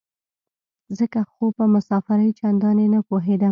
ځکه خو په مسافرۍ چندانې نه پوهېدم.